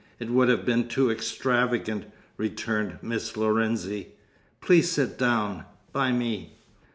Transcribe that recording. It would have been too extravagant," returned Miss Lorenzi. "Please sit down by me."